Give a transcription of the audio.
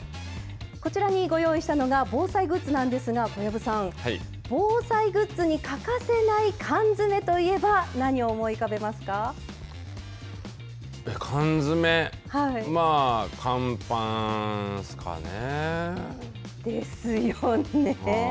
こちらにご用意したのが防災グッズなんですが小籔さん、防災グッズに欠かせない缶詰といえば何を思い浮かべますか。ですよね。